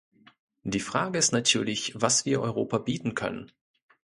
Die Frage ist natürlich, was wir Europa bieten können.